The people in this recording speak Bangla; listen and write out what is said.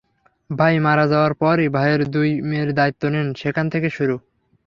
ভাই মারা যাওয়ার পরই ভাইয়ের দুই মেয়ের দায়িত্ব নেন—সেখান থেকে শুরু।